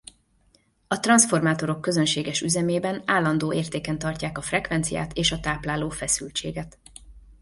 A transzformátorok közönséges üzemében állandó értéken tartják a frekvenciát és a tápláló feszültséget.